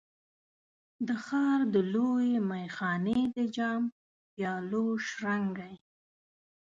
د ښار د لویې میخانې د جام، پیالو شرنګی